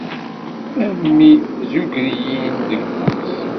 A mmi zuɣer-iyi-n deg ufus.